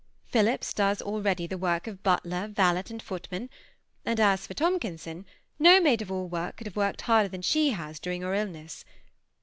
Phillips does already the work of butler, valet, and footman ; and as for Tomkinson, no maid of all work could have worked harder than she has during your illness.